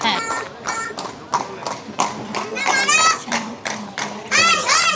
অন্যের রাগ ভালবাসা নিয়ে তাঁর মাথাব্যথা নেই।